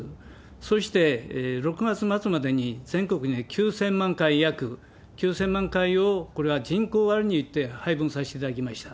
そして、６月末までに全国に９０００万回、約９０００万回をこれは人口割によって配分させていただきました。